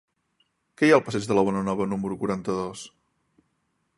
Què hi ha al passeig de la Bonanova número quaranta-dos?